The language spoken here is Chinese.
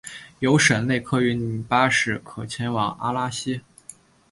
有省内客运巴士可前往阿讷西。